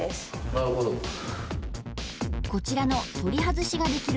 なるほどこちらの取り外しができる